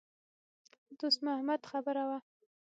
د دوست محمد خبره وه.